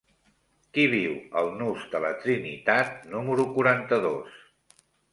Qui viu al nus de la Trinitat número quaranta-dos?